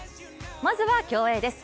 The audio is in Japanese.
まずは競泳です。